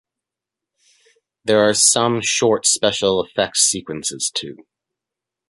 There are some short special effects sequences too.